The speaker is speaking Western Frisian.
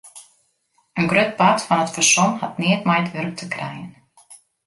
In grut part fan it fersom hat neat mei it wurk te krijen.